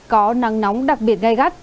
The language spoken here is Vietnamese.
có nắng nóng đặc biệt gai gắt